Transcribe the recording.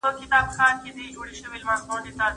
افغانانو په دغه جګړه کې بریا خپله کړه.